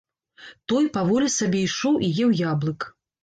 Той паволі сабе ішоў і еў яблык.